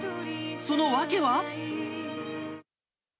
その訳は？